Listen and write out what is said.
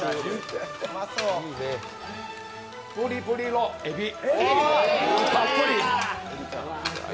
プリプリのえび、たっぷり。